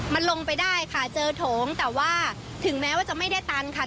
มันลงไปได้ค่ะเจอโถงแต่ว่าถึงแม้ว่าจะไม่ได้ตันค่ะ